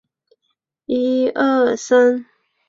公园大部分地区与水相邻。